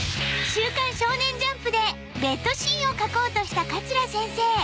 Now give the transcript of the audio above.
『週刊少年ジャンプ』でベッドシーンを描こうとした桂先生